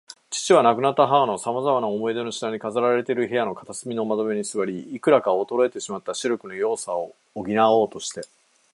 父は、亡くなった母のさまざまな思い出の品に飾られている部屋の片隅の窓辺に坐り、いくらか衰えてしまった視力の弱さを補おうとして